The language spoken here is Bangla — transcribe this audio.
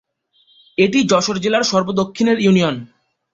এটি যশোর জেলার সর্ব দক্ষিণের ইউনিয়ন।